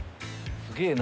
すげぇな！